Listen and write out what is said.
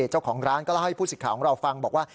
เจ้าของร้านก็เล่าให้ผู้สิทธิ์ของเราฟังบอกว่า